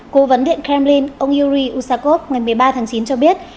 cố vấn điện kremlin ông yuri usakov ngày một mươi ba tháng chín cho biết